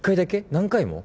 何回も？